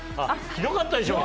ひどかったでしょ！